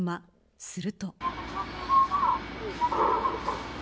すると。